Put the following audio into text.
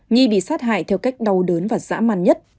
nhi bị sát hại theo cách đau đớn và dã man nhất